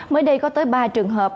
mới đây có tới ba trường hợp